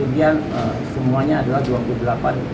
ini hasil lelang ya bang bukti lelang